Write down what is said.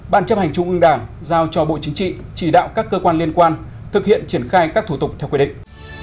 bàn chấp hành trung ương đảng giao cho bộ chính trị chỉ đạo các cơ quan liên quan thực hiện triển khai các thủ tục theo quy định